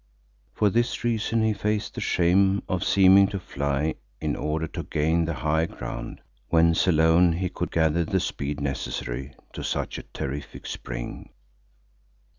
For this reason he faced the shame of seeming to fly in order to gain the higher ground, whence alone he could gather the speed necessary to such a terrific spring.